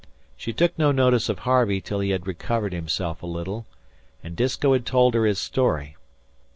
She took no notice of Harvey till he had recovered himself a little and Disko had told her his story.